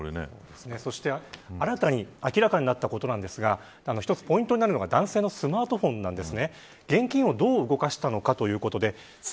そして、新たに明らかになったことですが一つポイントになるのが男性のスマートフォンです。